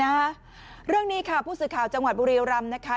เรื่องนี้ค่ะผู้สื่อข่าวจังหวัดบุรีรำนะคะ